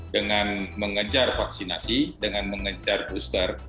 dengan mengejar vaksinasi dengan mengejar booster